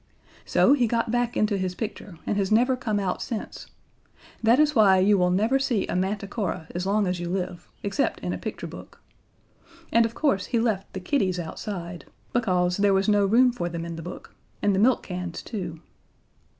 So he got back into his picture and has never come out since: That is why you will never see a Manticora as long as you live, except in a picture book. And of course he left the kitties outside, because there was no room for them in the book and the milk cans too.